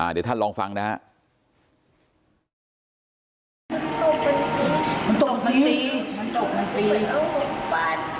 เดี๋ยวท่านลองฟังนะครับ